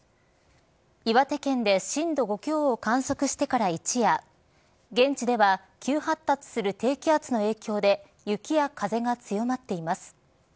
岩手県で震度５強を観測してから一夜現地では急発達する低気圧の影響で雪や風が強まっています。